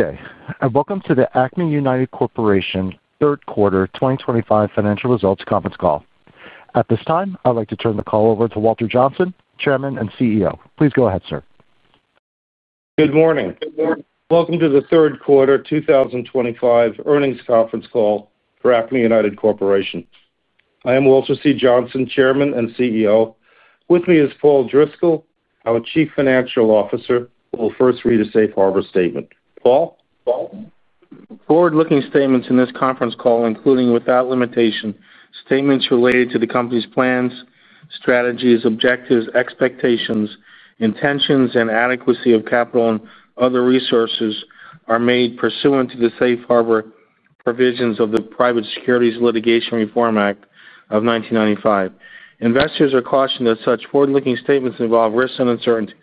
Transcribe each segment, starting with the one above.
Okay. Welcome to the Acme United Corporation third quarter 2025 financial results conference call. At this time, I'd like to turn the call over to Walter Johnsen, Chairman and CEO. Please go ahead, sir. Good morning. Good morning. Welcome to the third quarter 2025 earnings conference call for Acme United Corporation. I am Walter C. Johnsen, Chairman and CEO. With me is Paul Driscoll, our Chief Financial Officer, who will first read a safe harbor statement. Paul? Paul? Forward-looking statements in this conference call, including without limitation, statements related to the company's plans, strategies, objectives, expectations, intentions, and adequacy of capital and other resources are made pursuant to the safe harbor provisions of the Private Securities Litigation Reform Act of 1995. Investors are cautioned that such forward-looking statements involve risks and uncertainties,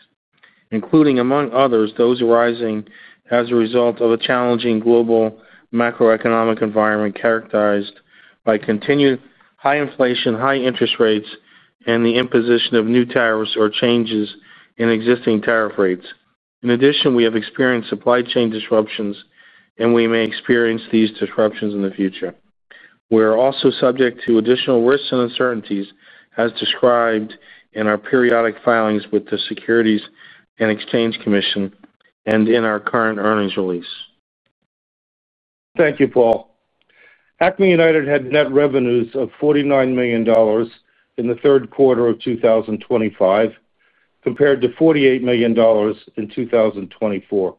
including, among others, those arising as a result of a challenging global macroeconomic environment characterized by continued high inflation, high interest rates, and the imposition of new tariffs or changes in existing tariff rates. In addition, we have experienced supply chain disruptions, and we may experience these disruptions in the future. We are also subject to additional risks and uncertainties as described in our periodic filings with the Securities and Exchange Commission and in our current earnings release. Thank you, Paul. Acme United had net revenues of $49 million in the third quarter of 2025 compared to $48 million in 2024.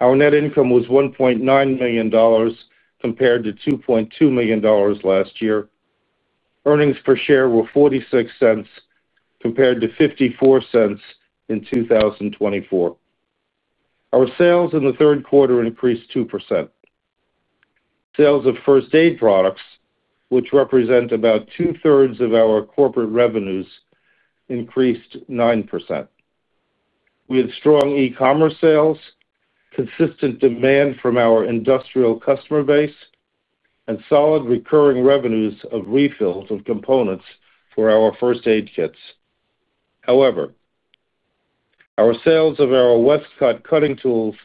Our net income was $1.9 million compared to $2.2 million last year. Earnings per share were $0.46 compared to $0.54 in 2024. Our sales in the third quarter increased 2%. Sales of first aid products, which represent about two-thirds of our corporate revenues, increased 9%. We had strong e-commerce sales, consistent demand from our industrial customer base, and solid recurring revenues of refills of components for our first aid kits. However, our sales of our Westcott cutting tools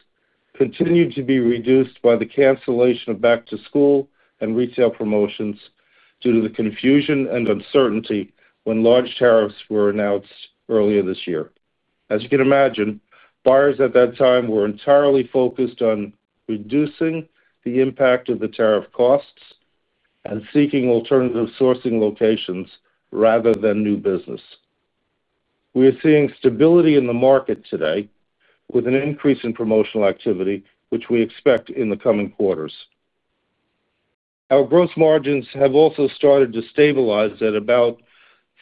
continued to be reduced by the cancellation of back-to-school and retail promotions due to the confusion and uncertainty when large tariffs were announced earlier this year. As you can imagine, buyers at that time were entirely focused on reducing the impact of the tariff costs and seeking alternative sourcing locations rather than new business. We are seeing stability in the market today with an increase in promotional activity, which we expect in the coming quarters. Our gross margins have also started to stabilize at about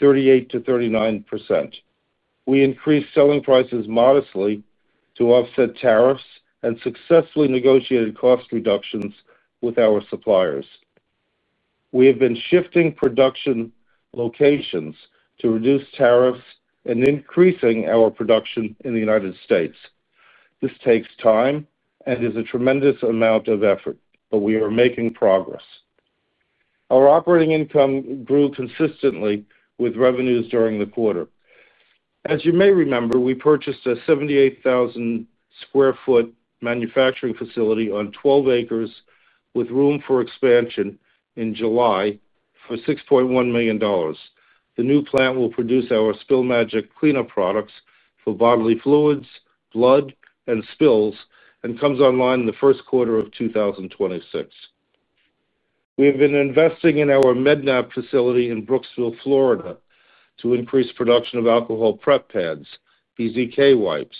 38% to 39%. We increased selling prices modestly to offset tariffs and successfully negotiated cost reductions with our suppliers. We have been shifting production locations to reduce tariffs and increasing our production in the United States. This takes time and is a tremendous amount of effort, but we are making progress. Our operating income grew consistently with revenues during the quarter. As you may remember, we purchased a 78,000-square-foot manufacturing facility on 12 acres with room for expansion in July for $6.1 million. The new plant will produce our Spill Magic cleanup products for bodily fluids, blood, and spills and comes online in the first quarter of 2026. We have been investing in our MedNap facility in Brooksville, Florida, to increase production of alcohol prep pads, PZK wipes,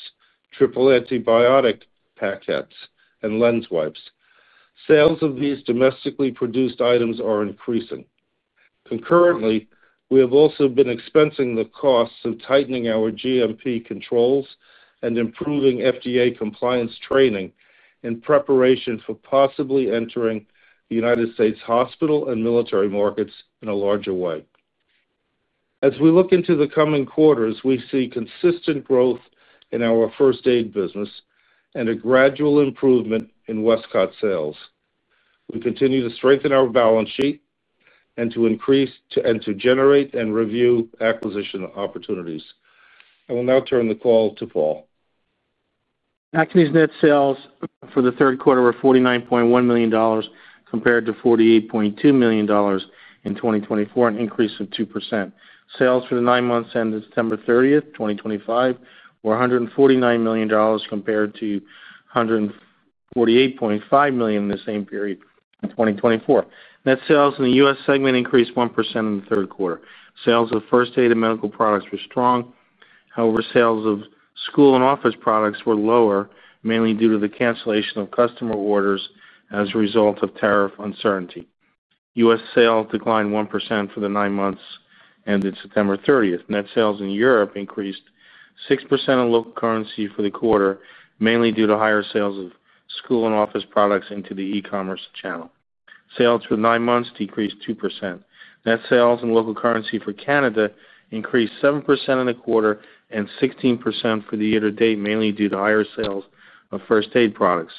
triple antibiotic packets, and lens wipes. Sales of these domestically produced items are increasing. Concurrently, we have also been expensing the costs of tightening our GMP controls and improving FDA compliance training in preparation for possibly entering the U.S. hospital and military markets in a larger way. As we look into the coming quarters, we see consistent growth in our first aid business and a gradual improvement in Westcott sales. We continue to strengthen our balance sheet and to increase and to generate and review acquisition opportunities. I will now turn the call to Paul. Corporation's net sales for the third quarter were $49.1 million compared to $48.2 million in 2024, an increase of 2%. Sales for the nine months ended September 30, 2025, were $149 million compared to $148.5 million in the same period in 2024. Net sales in the U.S. segment increased 1% in the third quarter. Sales of first aid and medical products were strong. However, sales of school and office products were lower, mainly due to the cancellation of customer orders as a result of tariff uncertainty. U.S. sales declined 1% for the nine months ended September 30. Net sales in Europe increased 6% in local currency for the quarter, mainly due to higher sales of school and office products into the e-commerce channel. Sales for the nine months decreased 2%. Net sales in local currency for Canada increased 7% in the quarter and 16% for the year to date, mainly due to higher sales of first aid products.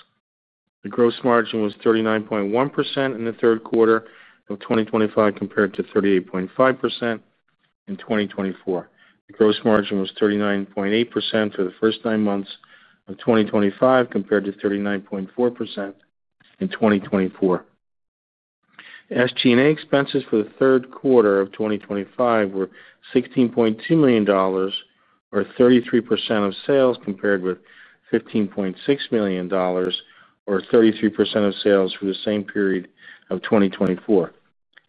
The gross margin was 39.1% in the third quarter of 2025 compared to 38.5% in 2024. The gross margin was 39.8% for the first nine months of 2025 compared to 39.4% in 2024. SG&A expenses for the third quarter of 2025 were $16.2 million, or 33% of sales, compared with $15.6 million, or 33% of sales for the same period of 2024.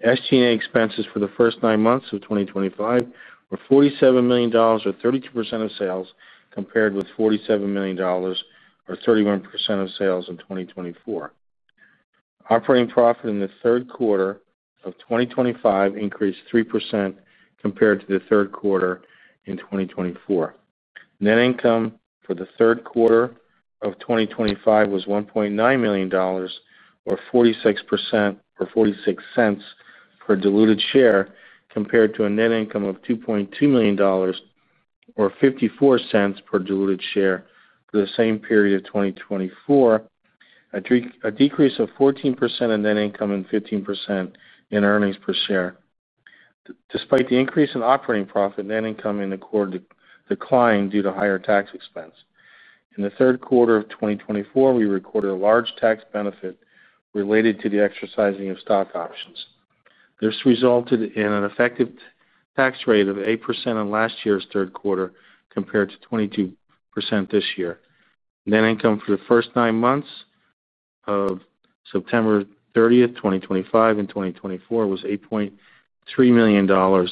SG&A expenses for the first nine months of 2025 were $47 million, or 32% of sales, compared with $47 million, or 31% of sales in 2024. Operating profit in the third quarter of 2025 increased 3% compared to the third quarter in 2024. Net income for the third quarter of 2025 was $1.9 million, or $0.46 per diluted share, compared to a net income of $2.2 million, or $0.54 per diluted share for the same period of 2024, a decrease of 14% in net income and 15% in earnings per share. Despite the increase in operating profit, net income in the quarter declined due to higher tax expense. In the third quarter of 2024, we recorded a large tax benefit related to the exercising of stock options. This resulted in an effective tax rate of 8% in last year's third quarter compared to 22% this year. Net income for the first nine months ended September 30, 2025, and 2024 was $8.3 million, or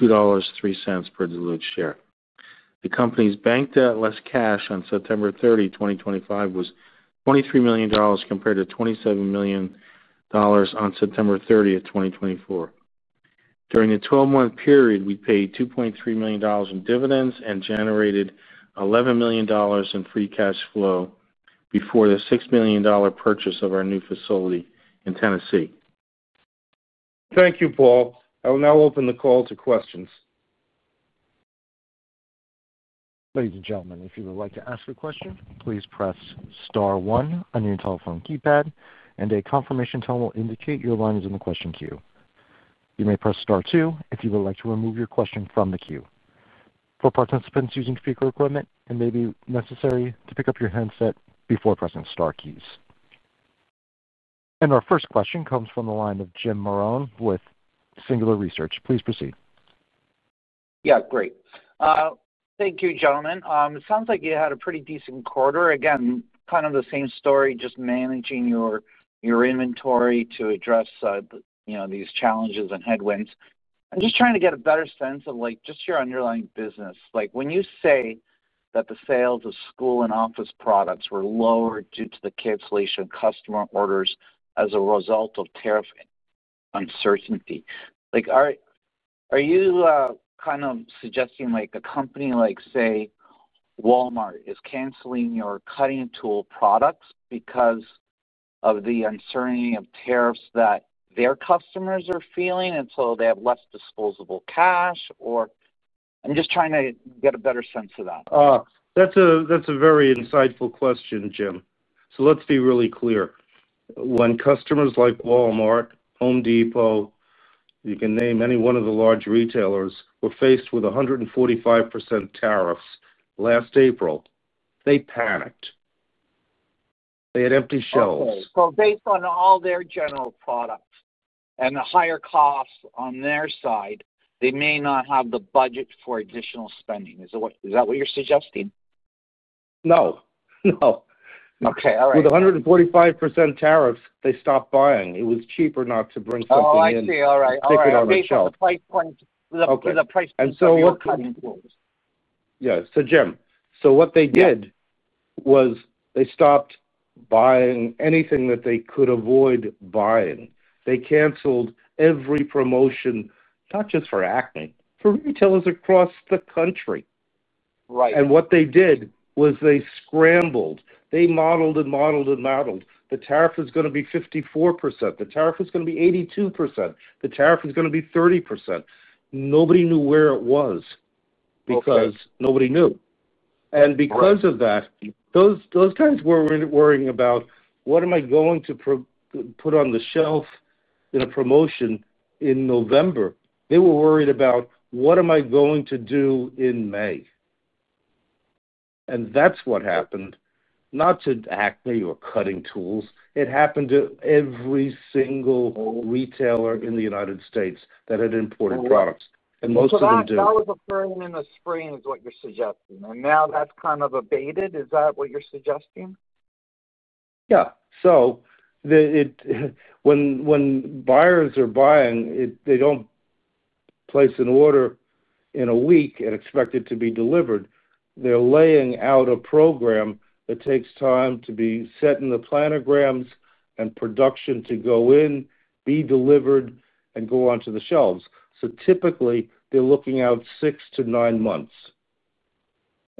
$2.03 per diluted share. The company's bank debt, less cash, on September 30, 2025, was $23 million compared to $27 million on September 30, 2024. During the 12-month period, we paid $2.3 million in dividends and generated $11 million in free cash flow before the $6 million purchase of our new facility in Tennessee. Thank you, Paul. I will now open the call to questions. Ladies and gentlemen, if you would like to ask a question, please press star one on your telephone keypad. A confirmation tone will indicate your line is in the question queue. You may press star two if you would like to remove your question from the queue. For participants using speaker equipment, it may be necessary to pick up your headset before pressing star keys. Our first question comes from the line of Jim Marrone with Singular Research. Please proceed. Yeah, great. Thank you, gentlemen. It sounds like you had a pretty decent quarter. Again, kind of the same story, just managing your inventory to address these challenges and headwinds. I'm just trying to get a better sense of your underlying business. When you say that the sales of school and office products were lower due to the cancellation of customer orders as a result of tariff uncertainty, are you suggesting a company like, say, Walmart, is canceling your cutting tool products because of the uncertainty of tariffs that their customers are feeling and so they have less disposable cash? I'm just trying to get a better sense of that. That's a very insightful question, Jim. Let's be really clear. When customers like Walmart, Home Depot, you can name any one of the large retailers, were faced with 145% tariffs last April, they panicked. They had empty shelves. Based on all their general products and the higher costs on their side, they may not have the budget for additional spending. Is that what you're suggesting? Okay. All right. With 145% tariffs, they stopped buying. It was cheaper not to bring something in. Oh, I see. All right. Okay. Take it on themselves. Okay. What? Yeah. Jim, what they did was they stopped buying anything that they could avoid buying. They canceled every promotion, not just for Acme United, for retailers across the country. Right. What they did was they scrambled. They modeled and modeled and modeled. The tariff is going to be 54%. The tariff is going to be 82%. The tariff is going to be 30%. Nobody knew where it was because nobody knew. Because of that, those guys weren't worrying about, "What am I going to put on the shelf in a promotion in November?" They were worried about, "What am I going to do in May?" That is what happened, not to Acme United or cutting tools. It happened to every single retailer in the United States that had imported products. Most of them did. That was occurring in the spring is what you're suggesting, and now that's kind of abated. Is that what you're suggesting? Yeah. When buyers are buying, they don't place an order in a week and expect it to be delivered. They're laying out a program that takes time to be set in the planograms and production to go in, be delivered, and go onto the shelves. Typically, they're looking out six to nine months.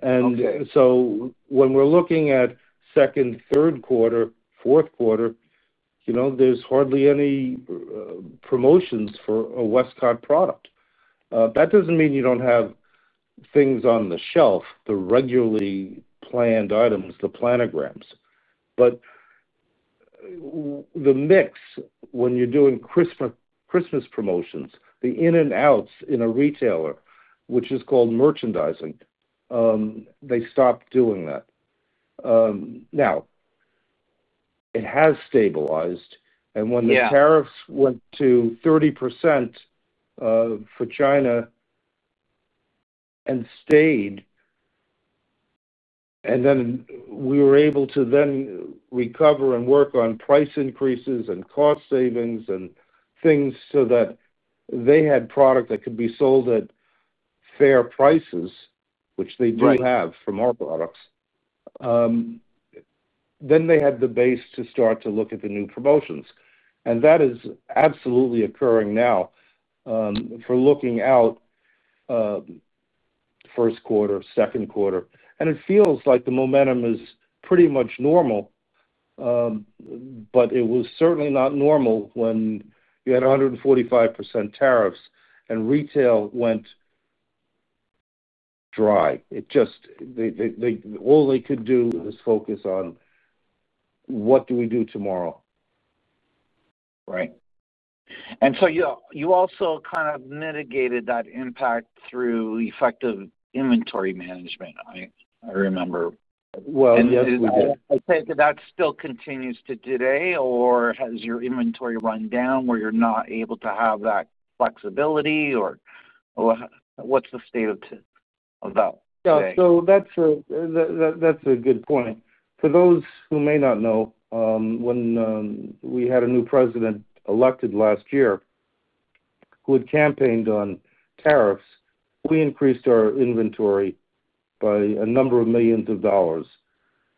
When we're looking at second, third quarter, fourth quarter, there's hardly any promotions for a Westcott product. That doesn't mean you don't have things on the shelf, the regularly planned items, the planograms. The mix, when you're doing Christmas promotions, the in and outs in a retailer, which is called merchandising, they stopped doing that. Now, it has stabilized. When the tariffs went to 30% for China and stayed, we were able to then recover and work on price increases and cost savings and things so that they had product that could be sold at fair prices, which they do have from our products. They had the base to start to look at the new promotions. That is absolutely occurring now, for looking out, first quarter, second quarter. It feels like the momentum is pretty much normal. It was certainly not normal when you had 145% tariffs and retail went dry. All they could do was focus on what do we do tomorrow. Right. You also kind of mitigated that impact through effective inventory management, I remember. Yes, we did. Does that still continue today, or has your inventory run down where you're not able to have that flexibility, or what's the state of that? Yeah, that's a good point. For those who may not know, when we had a new president elected last year who had campaigned on tariffs, we increased our inventory by a number of millions of dollars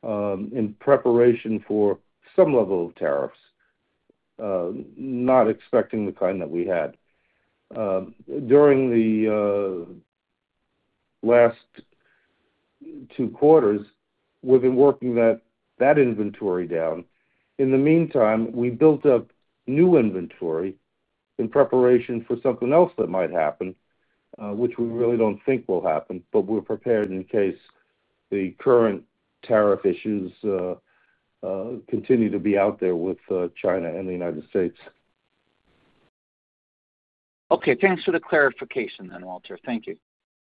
in preparation for some level of tariffs, not expecting the kind that we had. During the last two quarters, we've been working that inventory down. In the meantime, we built up new inventory in preparation for something else that might happen, which we really don't think will happen, but we're prepared in case the current tariff issues continue to be out there with China and the United States. Okay. Thanks for the clarification then, Walter. Thank you.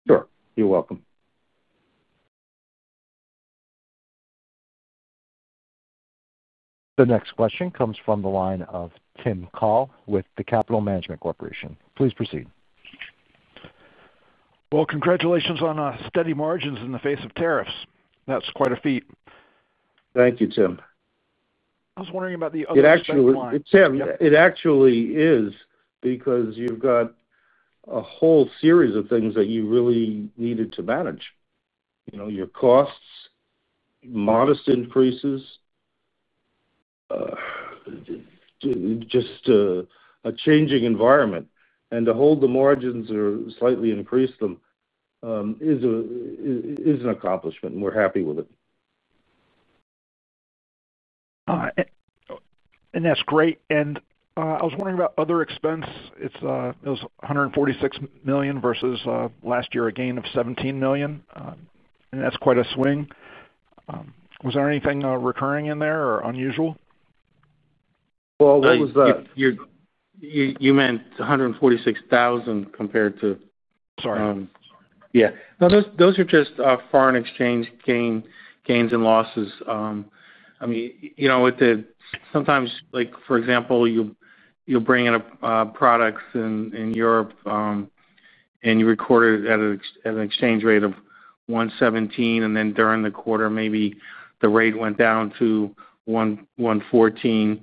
Sure, you're welcome. The next question comes from the line of Tim Kaul with Capital Management Corporation. Please proceed. Congratulations on steady margins in the face of tariffs. That's quite a feat. Thank you, Tim. I was wondering about the other questions. It actually is because you've got a whole series of things that you really needed to manage. You know, your costs, modest increases, just a changing environment. To hold the margins or slightly increase them is an accomplishment, and we're happy with it. That's great. I was wondering about other expense. It was $146 million versus last year, a gain of $17 million. That's quite a swing. Was there anything recurring in there or unusual? What was that? You meant $146,000 compared to? Sorry. sorry. Yeah. No, those are just foreign exchange gains and losses. I mean, you know, sometimes, like for example, you'll bring in products in Europe, and you record it at an exchange rate of 1.17, and then during the quarter, maybe the rate went down to 1.14.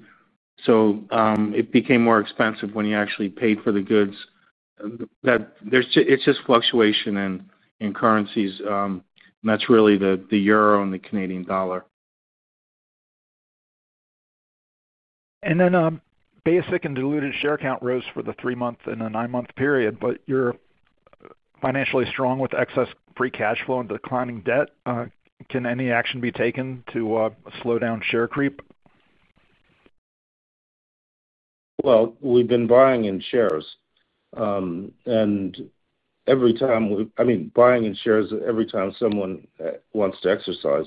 It became more expensive when you actually paid for the goods. It's just fluctuation in currencies, and that's really the euro and the Canadian dollar. The basic and diluted share count rose for the three-month and the nine-month period, but you're financially strong with excess free cash flow and declining debt. Can any action be taken to slow down share creep? We've been buying in shares, and every time we, I mean, buying in shares every time someone wants to exercise.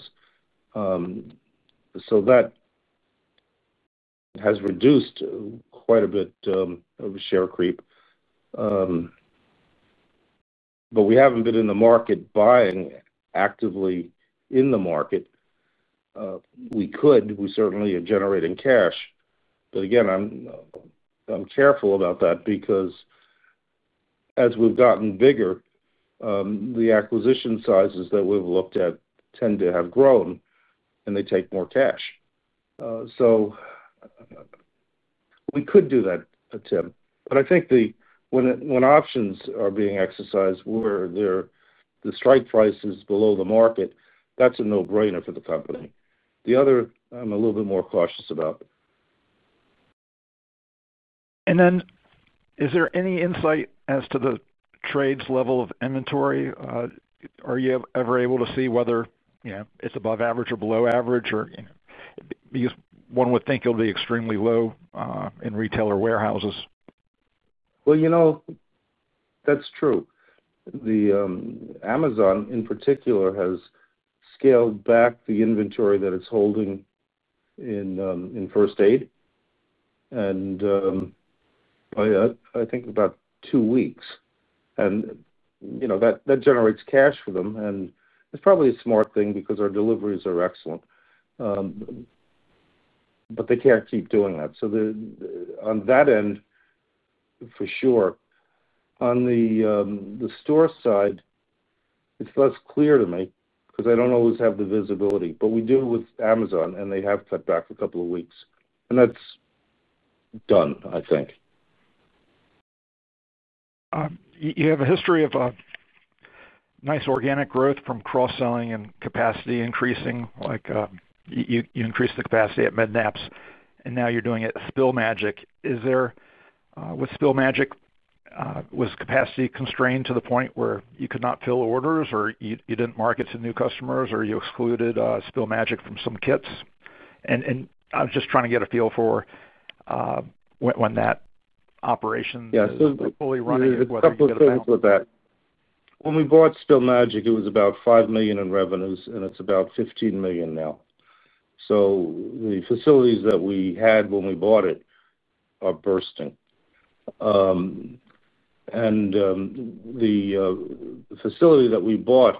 That has reduced quite a bit of share creep, but we haven't been in the market buying actively in the market. We could. We certainly are generating cash. Again, I'm careful about that because as we've gotten bigger, the acquisition sizes that we've looked at tend to have grown, and they take more cash. We could do that, Tim. I think when options are being exercised, where the strike price is below the market, that's a no-brainer for the company. The other, I'm a little bit more cautious about. Is there any insight as to the trade's level of inventory? Are you ever able to see whether it's above average or below average? One would think it'll be extremely low in retailer warehouses. That's true. Amazon, in particular, has scaled back the inventory that it's holding in first aid by, I think, about two weeks. That generates cash for them, and it's probably a smart thing because our deliveries are excellent. They can't keep doing that. On that end, for sure. On the store side, it's less clear to me because I don't always have the visibility. We do with Amazon, and they have cut back for a couple of weeks. That's done, I think. You have a history of nice organic growth from cross-selling and capacity increasing. You increased the capacity at MedNap, and now you're doing it at Spill Magic. With Spill Magic, was capacity constrained to the point where you could not fill orders, or you didn't market to new customers, or you excluded Spill Magic from some kits? I'm just trying to get a feel for when that operation was fully running, whether you could get it back. Yeah. The thing is that when we bought Spill Magic, it was about $5 million in revenues, and it's about $15 million now. The facilities that we had when we bought it are bursting. The facility that we bought,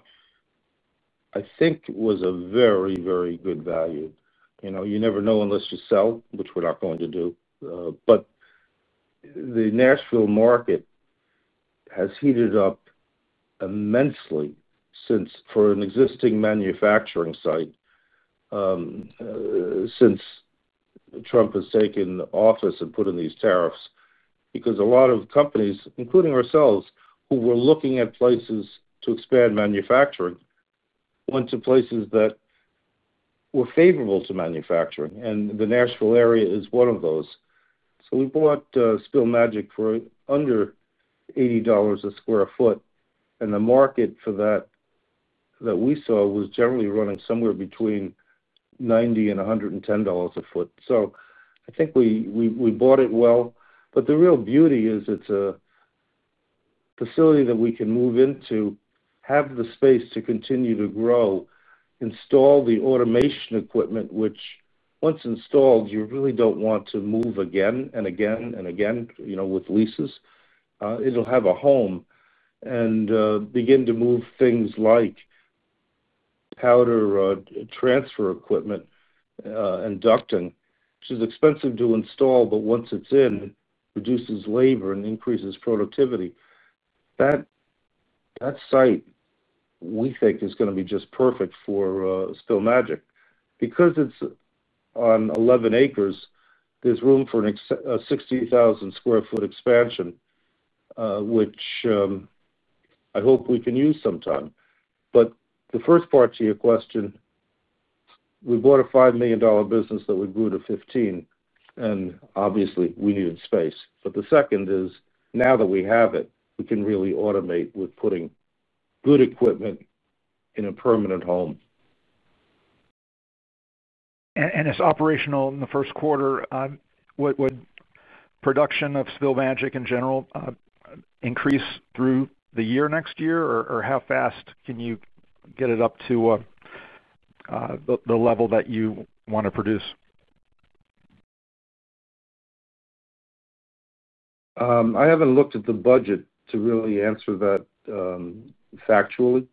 I think, was a very, very good value. You never know unless you sell, which we're not going to do. The Nashville market has heated up immensely for an existing manufacturing site since Trump has taken office and put in these tariffs because a lot of companies, including ourselves, who were looking at places to expand manufacturing, went to places that were favorable to manufacturing. The Nashville area is one of those. We bought Spill Magic for under $80 a square foot. The market for that that we saw was generally running somewhere between $90 and $110 a foot. I think we bought it well. The real beauty is it's a facility that we can move into, have the space to continue to grow, install the automation equipment, which once installed, you really don't want to move again and again with leases. It'll have a home and begin to move things like powder, transfer equipment, and ducting, which is expensive to install, but once it's in, reduces labor and increases productivity. That site we think is going to be just perfect for Spill Magic because it's on 11 acres, there's room for a 60,000-square-foot expansion, which I hope we can use sometime. The first part to your question, we bought a $5 million business that we grew to $15 million. Obviously, we needed space. The second is now that we have it, we can really automate with putting good equipment in a permanent home. it is operational in the first quarter, would production of Spill Magic in general increase through the year next year, or how fast can you get it up to the level that you want to produce? I haven't looked at the budget to really answer that factually.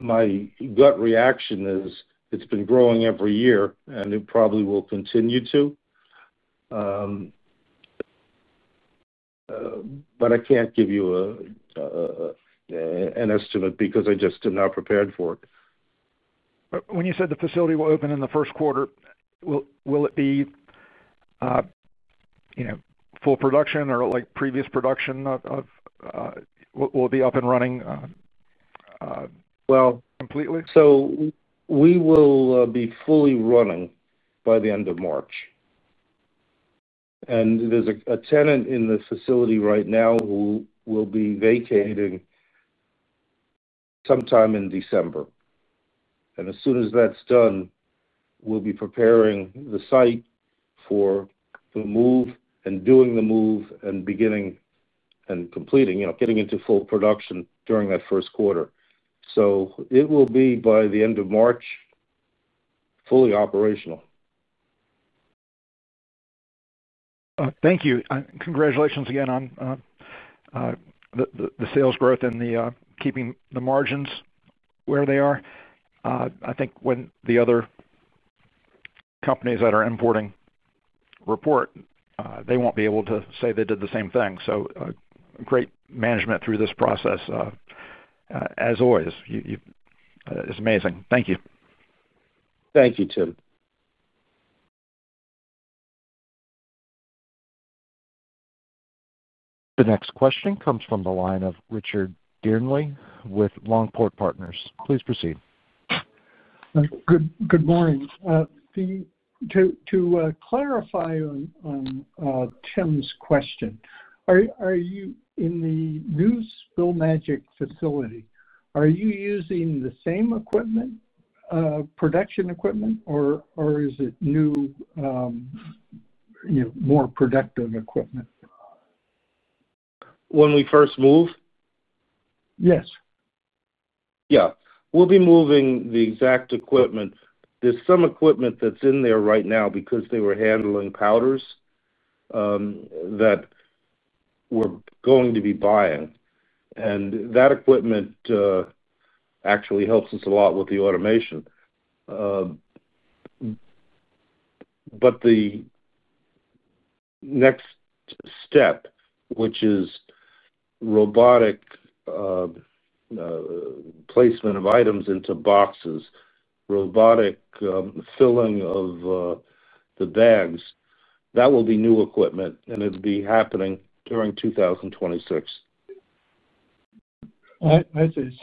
My gut reaction is it's been growing every year, and it probably will continue to. I can't give you an estimate because I just am not prepared for it. When you said the facility will open in the first quarter, will it be full production or like previous production, will it be up and running completely? We will be fully running by the end of March. There's a tenant in the facility right now who will be vacating sometime in December. As soon as that's done, we'll be preparing the site for the move, doing the move, and beginning and completing getting into full production during that first quarter. It will be by the end of March fully operational. Thank you. Congratulations again on the sales growth and keeping the margins where they are. I think when the other companies that are importing report, they won't be able to say they did the same thing. Great management through this process, as always. It's amazing. Thank you. Thank you, Tim. The next question comes from the line of Richard Dearnley with Longport Partners. Please proceed. Good morning. To clarify on Tim's question, are you in the new Spill Magic facility, are you using the same production equipment, or is it new, more productive equipment? When we first move? Yes. Yeah. We'll be moving the exact equipment. There's some equipment that's in there right now because they were handling powders that we're going to be buying, and that equipment actually helps us a lot with the automation. The next step, which is robotic placement of items into boxes, robotic filling of the bags, that will be new equipment, and it'll be happening during 2026. I see.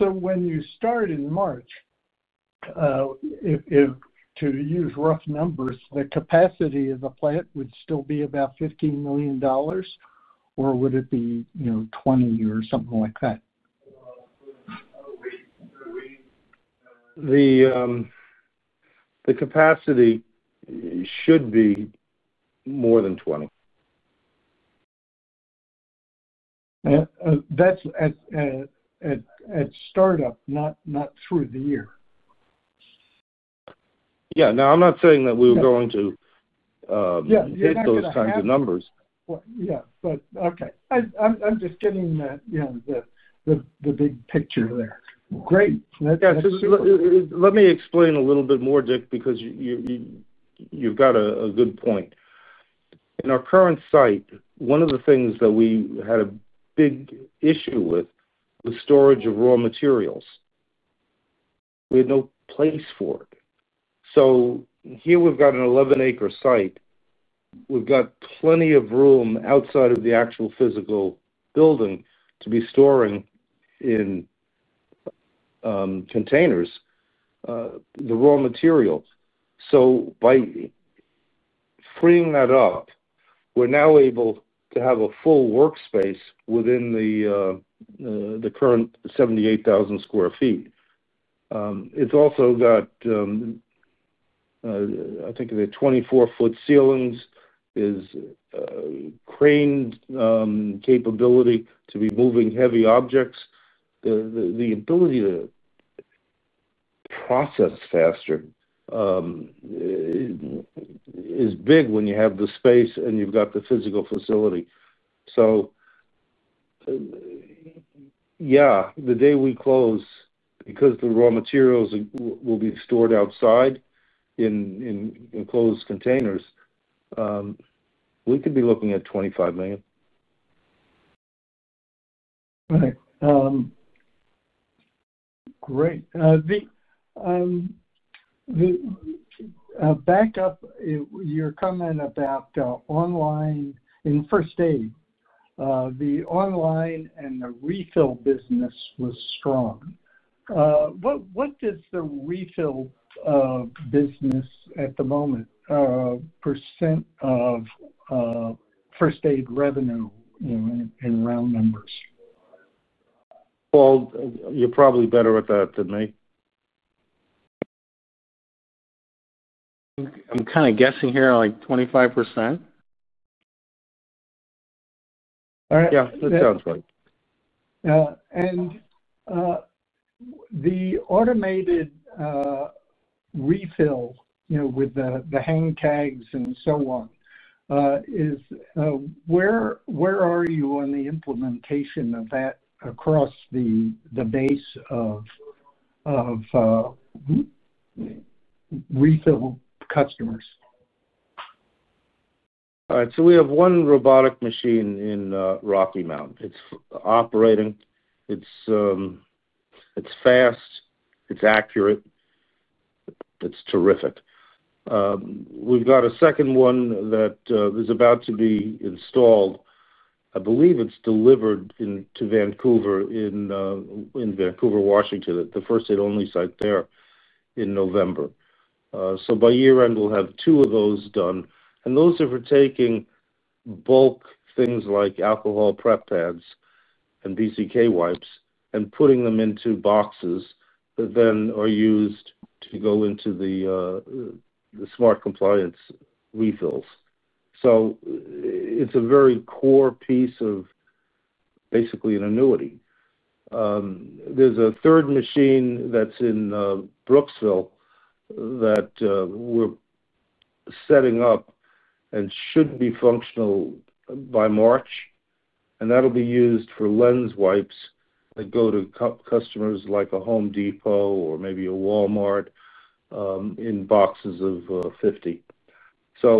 When you start in March, if, to use rough numbers, the capacity of the plant would still be about $15 million, or would it be, you know, $20 million or something like that? The capacity should be more than 20. That's at startup, not through the year. I'm not saying that we were going to hit those kinds of numbers. Okay, I'm just getting that, you know, the big picture there. Great. Yeah. Let me explain a little bit more, Dick, because you've got a good point. In our current site, one of the things that we had a big issue with was storage of raw materials. We had no place for it. Here we've got an 11-acre site. We've got plenty of room outside of the actual physical building to be storing in containers, the raw material. By freeing that up, we're now able to have a full workspace within the current 78,000 square feet. It's also got, I think, the 24-foot ceilings, craned capability to be moving heavy objects. The ability to process faster is big when you have the space and you've got the physical facility. The day we close, because the raw materials will be stored outside in enclosed containers, we could be looking at $25 million. Right. Great. Back up your comment about online in first aid. The online and the refill business was strong. What does the refill business at the moment, percent of first aid revenue, you know, in round numbers? Paul, you're probably better at that than me. I'm kind of guessing here like 25%. All right, yeah, that sounds right. The automated refill, you know, with the hang tags and so on, is, where are you on the implementation of that across the base of refill customers? All right. We have one robotic machine in Rocky Mount. It's operating. It's fast. It's accurate. It's terrific. We've got a second one that is about to be installed. I believe it's delivered to Vancouver, in Vancouver, Washington, at the First Aid Only site there in November. By year-end, we'll have two of those done. Those are for taking bulk things like alcohol prep pads and PZK wipes and putting them into boxes that then are used to go into the smart compliance refills. It's a very core piece of basically an annuity. There's a third machine that's in Brooksville that we're setting up and should be functional by March. That'll be used for lens cleaners that go to customers like a Home Depot or maybe a Walmart, in boxes of 50. There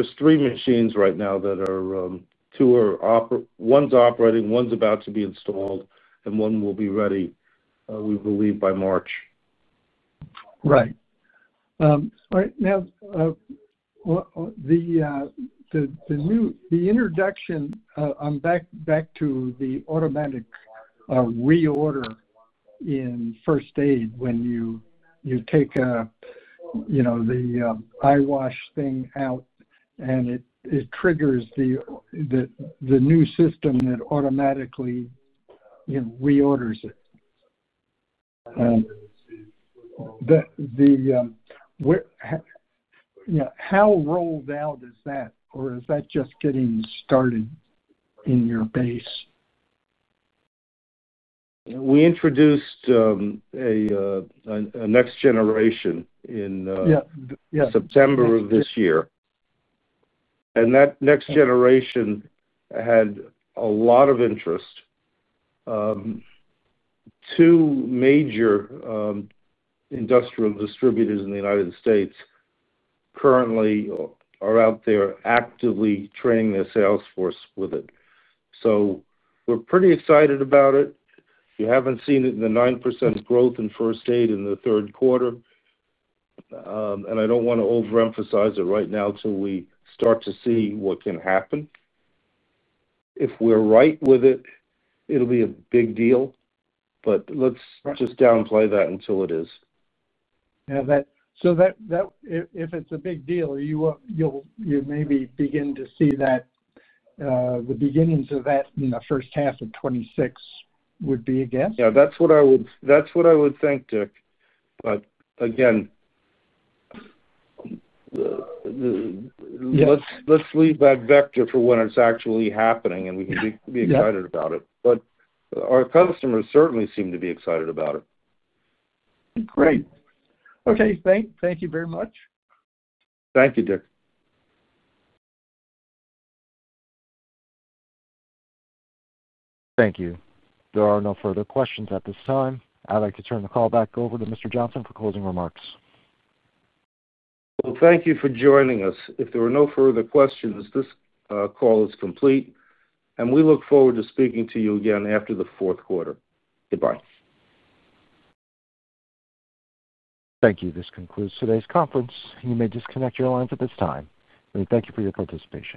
are three machines right now: one is operating, one is about to be installed, and one will be ready, we believe, by March. Right. All right. Now, the new introduction, I'm back to the automatic reorder in first aid when you take, you know, the eyewash thing out, and it triggers the new system that automatically, you know, reorders it. Yeah. How rolled out is that, or is that just getting started in your base? We introduced a next generation in September of this year. That next generation had a lot of interest. Two major industrial distributors in the United States currently are out there actively training their sales force with it. We're pretty excited about it. You haven't seen the 9% growth in first aid in the third quarter. I don't want to overemphasize it right now till we start to see what can happen. If we're right with it, it'll be a big deal. Let's just downplay that until it is. Yeah, if it's a big deal, you maybe begin to see the beginnings of that in the first half of 2026, would be a guess? Yeah, that's what I would think, Dick. Let's leave that vector for when it's actually happening, and we can be excited about it. Our customers certainly seem to be excited about it. Great. Okay, thank you very much. Thank you, Dick. Thank you. There are no further questions at this time. I'd like to turn the call back over to Mr. Johnsen for closing remarks. Thank you for joining us. If there are no further questions, this call is complete. We look forward to speaking to you again after the fourth quarter. Goodbye. Thank you. This concludes today's conference. You may disconnect your lines at this time. We thank you for your participation.